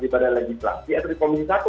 di badan legislasi atau di komisi satu